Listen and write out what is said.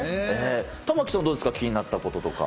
玉城さん、どうですか、気になったこととか。